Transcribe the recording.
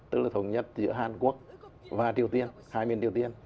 tức là thống nhất giữa hàn quốc và triều tiên hai miền triều tiên